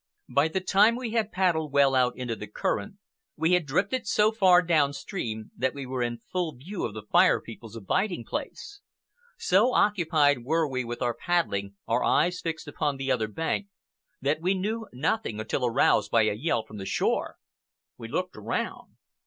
By the time we had paddled well out into the current, we had drifted so far downstream that we were in full view of the Fire People's abiding place. So occupied were we with our paddling, our eyes fixed upon the other bank, that we knew nothing until aroused by a yell from the shore. We looked around.